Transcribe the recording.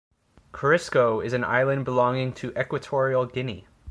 Corisco is an island belonging to Equatorial Guinea.